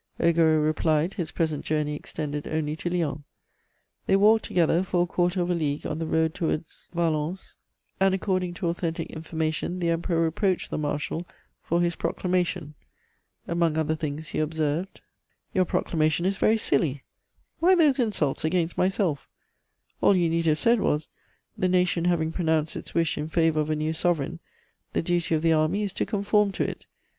Augereau replied, his present journey extended only to Lyons. They walked together for a quarter of a league on the road towards Valence, and, according to authentic information, the Emperor reproached the marshal for his proclamation. Among other things he observed: "'Your proclamation is very silly; why those insults against myself? All you need have said was, "The Nation having pronounced its wish in favour of a new sovereign, the duty of the Army is to conform to it.